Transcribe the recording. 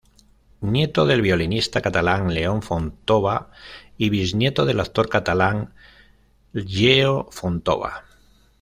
Nieto del violinista catalán León Fontova y bisnieto del actor catalán Lleó Fontova.